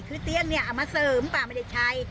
คือเตียงเนี่ยเอามาเสริมป้าไม่ได้ใช้